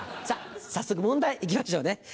早速問題行きましょうね。